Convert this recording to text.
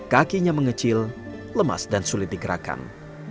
kakinya mengecil lemas dan sulit digerakkan